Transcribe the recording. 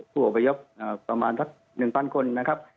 ผู้ออกประยบประมาณ๑๐๐๐คนนะครับ